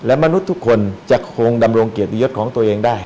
และมนุษย์ทุกคนจะคงดำรงเกียรติยศของตัวเองได้